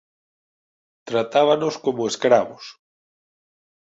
Tratábanos como escravos.